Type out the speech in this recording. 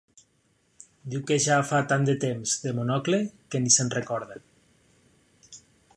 Diu que ja fa tant de temps de “Monocle” que ni se'n recorda.